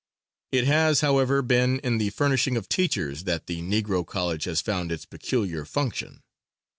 It has, however, been in the furnishing of teachers that the Negro college has found its peculiar function.